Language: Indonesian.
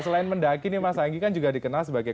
selain mendaki nih mas anggi kan juga dikenal sebagai